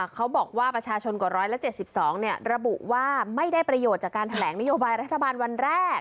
เขาบอกว่าประชาชนกว่า๑๗๒ระบุว่าไม่ได้ประโยชน์จากการแถลงนโยบายรัฐบาลวันแรก